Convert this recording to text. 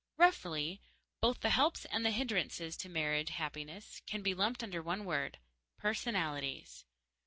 Roughly, both the helps and the hindrances to married happiness can be lumped under one word personalities.